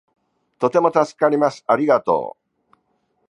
とても助かります。どうもありがとう